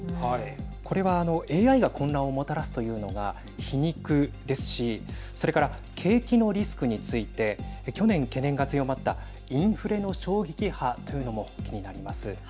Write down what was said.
これはＡＩが混乱をもたらすというのが皮肉ですしそれから、景気のリスクについて去年懸念が強まったインフレの衝撃波というのも気になります。